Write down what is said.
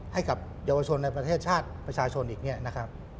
ให้กับเยาวชนในประเทศชาติประชาชนอีก